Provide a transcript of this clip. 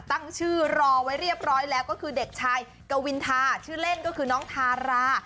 ตั้งชื่อรอไว้เรียบร้อยแล้วก็คือเด็กชายกวินทาชื่อเล่นก็คือน้องทารา